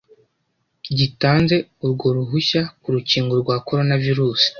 gitanze urwo ruhushya ku rukingo rwa coronavirus,